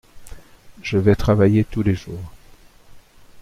Je vais travailler tous les jours.